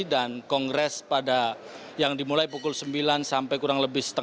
dan kongres pada yang dimulai pukul sembilan sampai kurang lebih jam tujuh